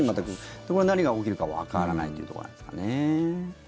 で、これは何が起きるかわからないというところなんですかね。